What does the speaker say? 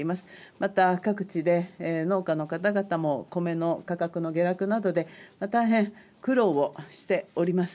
また、各地で農家の方々も米の価格の下落などで大変苦労をしております。